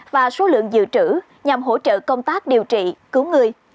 và số lượng dự trữ nhằm hỗ trợ công tác điều trị cứu người